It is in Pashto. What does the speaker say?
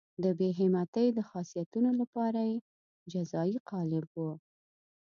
د بې همتۍ د خاصیتونو لپاره یې جزایي قالب وو.